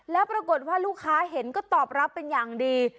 แล้วปรากฏว่าลูกค้าเห็นก็ตอบรับเป็นอย่างดี